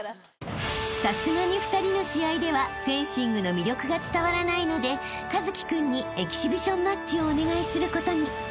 ［さすがに２人の試合ではフェンシングの魅力が伝わらないので一輝君にエキシビションマッチをお願いすることに］